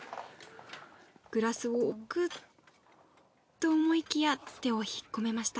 グラスを置く。と思いきや手を引っ込めました。